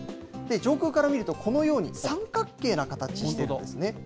上空から見ると、このように三角形な形してるんですね。